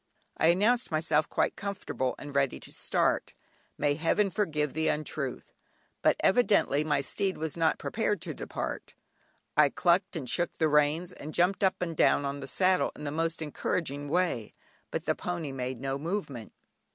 I announced myself quite comfortable and ready to start; may Heaven forgive the untruth! But evidently my steed was not prepared to depart. I "clucked" and shook the reins, and jumped up and down on the saddle in the most encouraging way, but the pony made no movement.